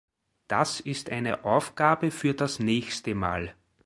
Das ist eine Aufgabe für das nächste Mal.